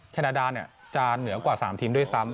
แคนาดาจะเหนือกว่า๓ทีมด้วยซ้ำ